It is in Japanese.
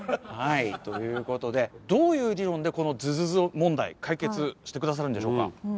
はいという事でどういう理論でこのズズズ問題解決してくださるんでしょうか？